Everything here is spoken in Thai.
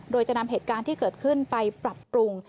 โดยจะนำเหตุการณ์ที่เกิดขึ้นไปปรับปรุง